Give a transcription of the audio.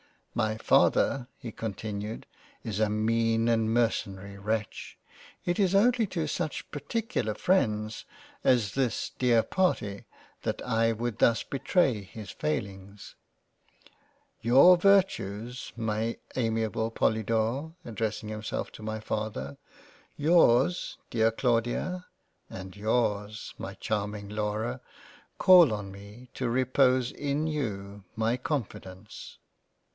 " My Father (he continued) is a mean and mercena wretch — it is only to such particular freinds as this Dear Par that I would thus betray his failings. Your Virtues m amiable Polydore (addressing himself to my father) yours Dear Claudia and yours my Charming Laura call on me t repose in you, my confidence."